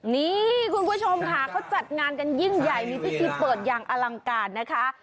นี่คุณผู้ชมค่ะเขาจัดงานกันยิ่งใหญ่มีพิธีเปิดอย่างอลังการนะคะ